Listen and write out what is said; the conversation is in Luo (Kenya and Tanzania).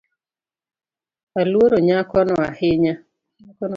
Aluoro nyakono ahinya